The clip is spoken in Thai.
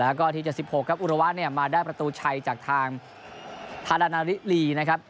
แล้วก็ที๗๖ครับอุระวะเนี่ยมาได้ประตูชัยจากทางทารานาริลีนะครับ